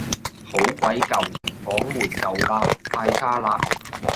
好鬼舊，房門舊嘞，太差嘞